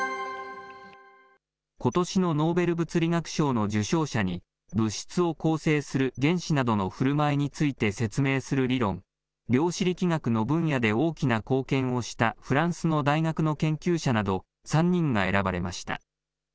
では、出かける前に押さえておきたいニュースを、ＡＩによることしのノーベル物理学賞の受賞者に、物質を構成する原子などのふるまいについて説明する理論、量子力学の分野で大きな貢献をしたフランスの大学の研究者など、３人が選ばれました。